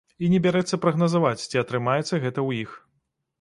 І не бярэцца прагназаваць, ці атрымаецца гэта ў іх.